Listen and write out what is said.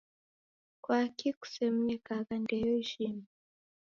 Kwaki kusemnekagha ndeyo ishima?